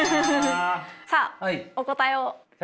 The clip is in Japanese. さあお答えを。